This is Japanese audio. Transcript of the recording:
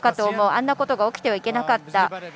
あんなことは起きてはいけなかった。